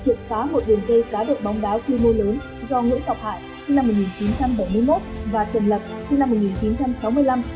triệt phá một đường dây cá đội bóng đá quy mô lớn do nguyễn tọc hải và trần lập